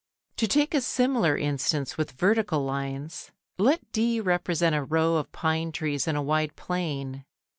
] To take a similar instance with vertical lines. Let D represent a row of pine trees in a wide plain.